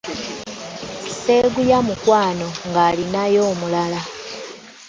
Seeguya mukwano ng’alinayo omulala.